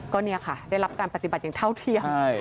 ก็เนี่ยค่ะได้รับการปฏิบัติอย่างเท่าเทียม